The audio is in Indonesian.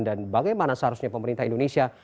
dan bagaimana seharusnya pemerintah indonesia